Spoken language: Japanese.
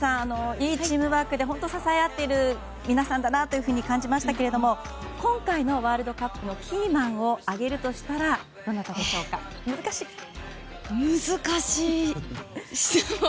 いいチームワークで本当、支え合っている皆さんだなというふうに感じましたけど今回のワールドカップのキーマンを挙げるとしたら難しい質問。